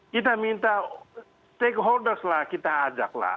kita minta stakeholders lah kita ajaklah